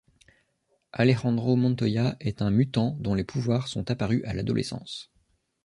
Alejandro Montoya est un mutant dont les pouvoirs sont apparus à l'adolescence.